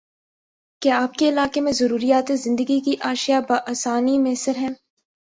کیا آپ کے علاقے میں ضروریاتِ زندگی کی اشیاء باآسانی میسر ہیں؟